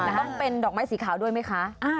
ต้องเป็นดอกไม้สีขาวด้วยไหมคะ